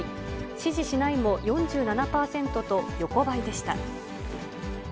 支持しないも４７％と横ばいでした。